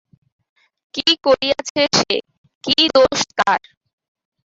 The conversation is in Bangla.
কী করিয়াছে সে, কী দোষ তার?